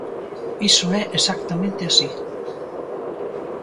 Iso é exactamente así.